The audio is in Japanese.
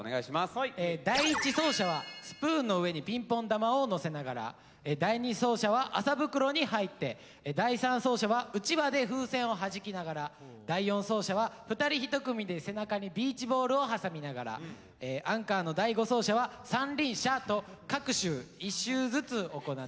第一走者はスプーンの上にピンポン玉を乗せながら第二走者は麻袋に入って第三走者はうちわで風船をはじきながら第四走者は２人１組で背中にビーチボールを挟みながらアンカーの第五走者は三輪車と各種１周ずつ行ってもらいます。